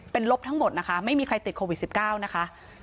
เป็นลบทั้งหมดนะคะไม่มีใครติดโควิด๑๙นะคะ